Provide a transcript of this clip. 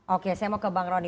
oke saya mau ke bang rony